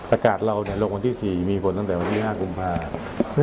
อากาศเราลงวันที่๔มีผลตั้งแต่วันที่๕กุมภาคม